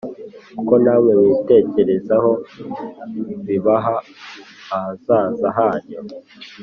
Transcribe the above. uko namwe mwitekerezaho bibaha ahazaza hanyu